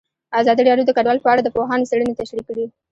ازادي راډیو د کډوال په اړه د پوهانو څېړنې تشریح کړې.